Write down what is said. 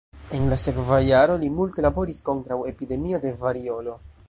En la sekva jaro li multe laboris kontraŭ epidemio de variolo.